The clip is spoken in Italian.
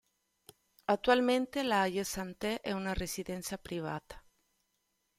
Attualmente, La Haye Sainte è una residenza privata.